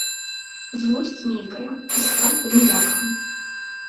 Злосць нейкая і страху ніякага.